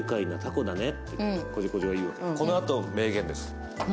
このあと名言です。